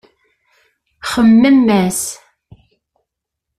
Xemmem-as.